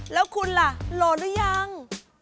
แล้วคุณล่ะโหลดหรือยัง